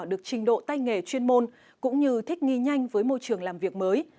được trình độ tay nghề chuyên môn cũng như thích nghi nhanh với môi trường làm việc mới